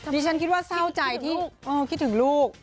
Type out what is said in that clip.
ดิฉันคิดว่าเศร้าใจที่คิดถึงลูก